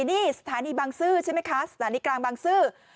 นี่สถานีบางซื่อใช่ไหมคะสถานีกลางบางซื่อ